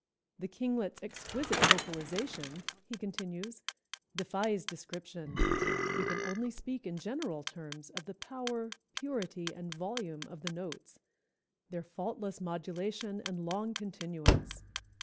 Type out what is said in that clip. "The Kinglet's exquisite vocalization," he continues, "defies description; we can only speak in general terms of the power, purity and volume of the notes, their faultless modulation and long continuance.